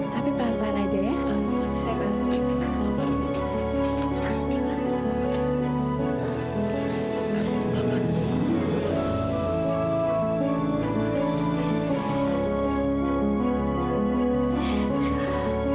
tapi pelan pelan aja ya